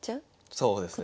そうですね